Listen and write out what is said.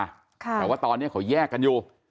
แต่ว่าตอนนี้เขาแยกกันอยู่